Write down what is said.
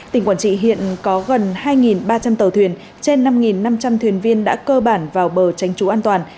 tỉnh quản trị hiện có gần hai ba trăm linh tàu thuyền trên năm năm trăm linh thuyền viên đã cơ bản vào bờ tránh trú an toàn